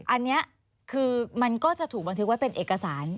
อันนี้คือมันก็จะถูกบันทึกไว้เป็นเอกสาร